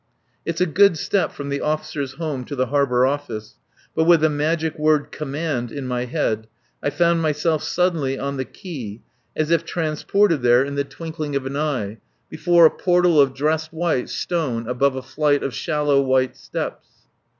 It's a good step from the Officers' Home to the Harbour Office; but with the magic word "Command" in my head I found myself suddenly on the quay as if transported there in the twinkling of an eye, before a portal of dressed white stone above a flight of shallow white steps.